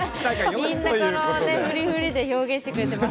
みんなこのふりふりで表現してくれてます。